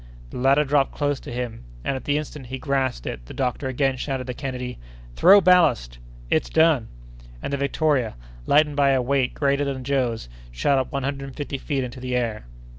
The ladder dropped close to him, and at the instant he grasped it the doctor again shouted to Kennedy: "Throw ballast!" "It's done!" And the Victoria, lightened by a weight greater than Joe's, shot up one hundred and fifty feet into the air.